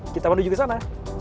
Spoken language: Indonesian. kita menuju ke sana